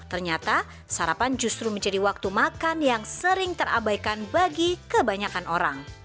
ternyata sarapan justru menjadi waktu makan yang sering terabaikan bagi kebanyakan orang